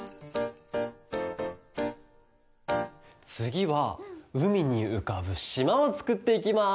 つぎはうみにうかぶしまをつくっていきます！